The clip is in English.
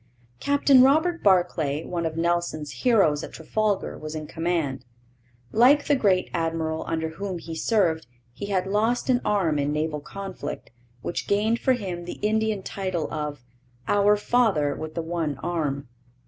Captain Robert Barclay, one of Nelson's heroes at Trafalgar, was in command. Like the great admiral under whom he served, he had lost an arm in naval conflict, which gained for him the Indian title of 'our father with the one arm.'